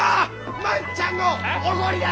万ちゃんのおごりで！